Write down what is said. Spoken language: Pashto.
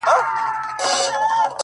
o زما سره اوس لا هم د هغي بېوفا ياري ده؛